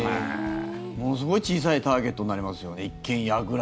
ものすごい小さいターゲットになりますよね。